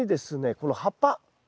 この葉っぱ。